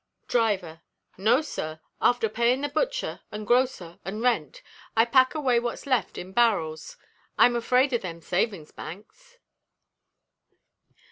Driver: "No, sir. After payin' the butcher an' grocer an' rent, I pack away what's left in barrels. I'm 'fraid of them savin's banks."